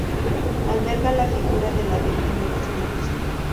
Alberga la figura de la Virgen de las Nieves.